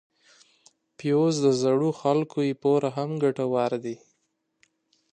پیاز د زړو خلکو لپاره هم ګټور دی